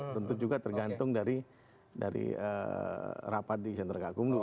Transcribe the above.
tentu juga tergantung dari rapat di sentraga kumdu